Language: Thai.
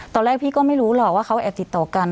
ตอนแรกพี่ก็ไม่รู้หรอกว่าเขาแอบติดต่อกัน